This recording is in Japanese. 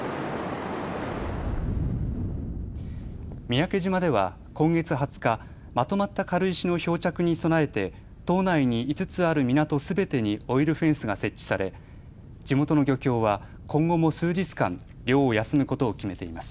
三宅島では今月２０日、まとまった軽石の漂着に備えて島内に５つある港すべてにオイルフェンスが設置され地元の漁協は今後も数日間、漁を休むことを決めています。